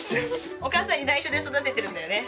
お母さんに内緒で育ててるんだよね。